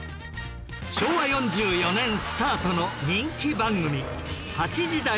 昭和４４年スタートの人気番組『８時だョ！